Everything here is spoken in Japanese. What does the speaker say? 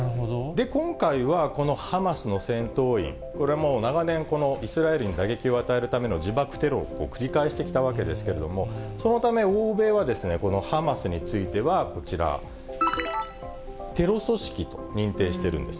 今回は、このハマスの戦闘員、これ、もう長年、イスラエルに打撃を与えるための自爆テロを繰り返してきたわけですけれども、そのため、欧米はこのハマスについてはこちら、テロ組織と認定してるんです。